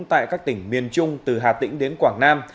tại các tỉnh miền trung từ hà tĩnh đến quảng nam